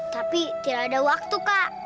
tapi tidak ada waktu kak